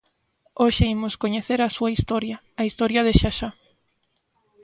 Hoxe imos coñecer a súa historia, a historia de Xaxá.